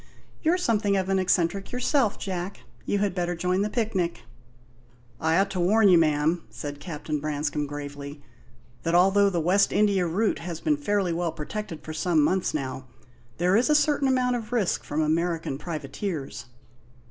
You're something of an eccentric yourself, Jack. You had better join the picnic." "I ought to warn you, ma'am," said Captain Branscome gravely, "that although the West India route has been fairly well protected for some months now, there is a certain amount of risk from American privateers."